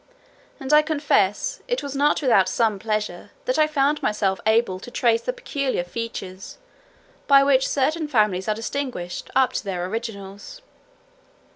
And I confess, it was not without some pleasure, that I found myself able to trace the particular features, by which certain families are distinguished, up to their originals.